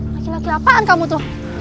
laki laki apaan kamu tuh